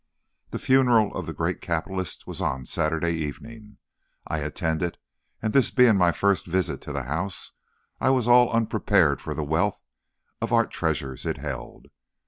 The funeral of the great capitalist was on Saturday evening. I attended, and this being my first visit to the house, I was all unprepared for the wealth of art treasures it held.